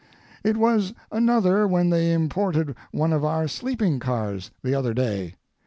It was another when they imported one of our sleeping cars the other day.